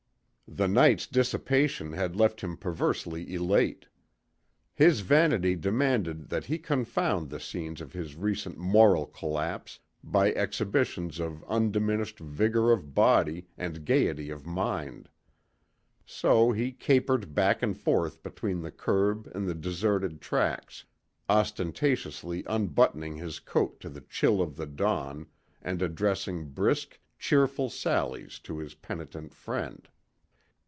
The night's dissipation had left him perversely elate. His vanity demanded that he confound the scenes of his recent moral collapse by exhibitions of undiminished vigor of body and gayety of mind. So he capered back and forth between the curb and the deserted tracks, ostentatiously unbuttoning his coat to the chill of the dawn and addressing brisk, cheerful sallies to his penitent friend.